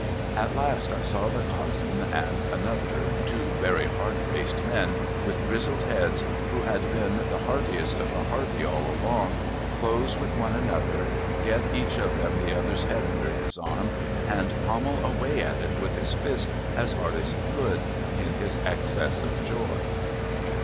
At last, I saw the coxswain and another, two very hard faced men, with grizzled heads, who had been the heartiest of the hearty all along, close with one another, get each of them the other's head under his arm, and pommel away at it with his fist as hard as he could, in his excess of joy.